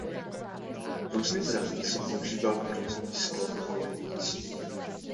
V různých zemích se používá různý sklon kolejnic.